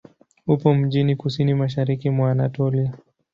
Upo mjini kusini-mashariki mwa Anatolia.